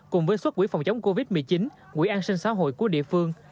cùng với xuất quỹ phòng chống covid một mươi chín quỹ an sinh xã hội của địa phương